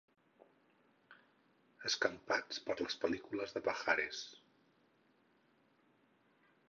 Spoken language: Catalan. Escampats per les pel·lícules de Pajares.